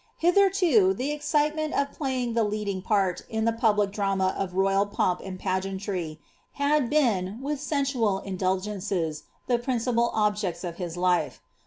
Hitherto, the excitement of plnyiitj; tlia Wing pan in the public drvmn of royal pomp and pngeaiilry, had been, ■ith sensual indulgences, the pnncipal objects of his life.